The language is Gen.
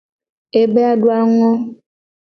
Ebe a adu a ngo.